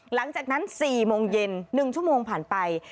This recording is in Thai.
หลังจากนั้นสี่โมงเย็นหนึ่งชั่วโมงผ่านไป